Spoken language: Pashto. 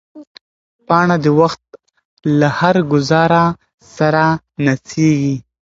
پاڼه د وخت له هر ګوزار سره نڅېږي.